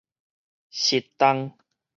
蝕重